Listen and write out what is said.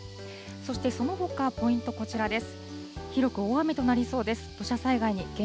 そしてそのほかポイント、こちらです。